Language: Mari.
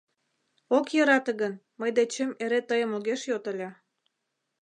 Ок йӧрате гын, мый дечем эре тыйым огеш йод ыле...